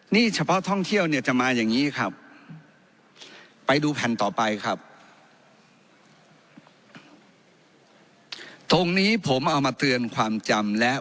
นี่เฉพาะท่องเที่ยวเนี่ยจะมาอย่างงี้ครับไปดูแผ่นต่อไปครับ